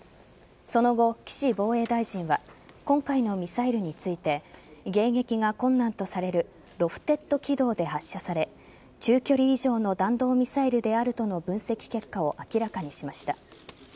その後、岸防衛大臣は今回のミサイルについて迎撃が困難とされるロフテッド軌道で発射され中距離以上の弾道ミサイルであるとの分析結果を明らかにしました。